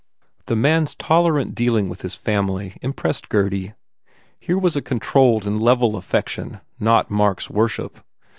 The man s tolerant dealing with his family im pressed Gurdy. Here was a controlled and level affection, not Mark s worship.